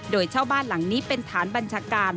โดยเช่าบ้านหลังนี้เป็นฐานบัญชาการ